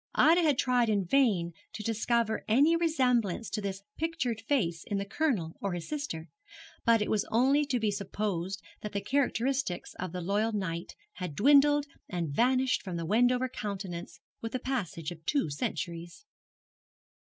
Ida had tried in vain to discover any resemblance to this pictured face in the Colonel or his sister; but it was only to be supposed that the characteristics of the loyal knight had dwindled and vanished from the Wendover countenance with the passage of two centuries.